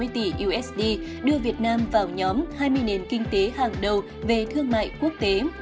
một trăm sáu mươi tỷ usd đưa việt nam vào nhóm hai mươi nền kinh tế hàng đầu về thương mại quốc tế